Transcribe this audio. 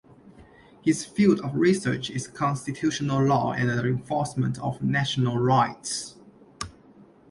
His field of research is constitutional law and the enforcement of national rights.